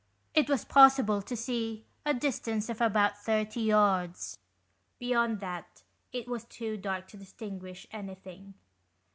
It was possible to see a distance of about thirty yards ; beyond that it was too dark to dis tinguish anything.